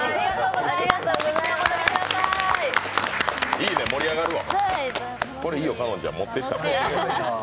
いいね、盛り上がるわ。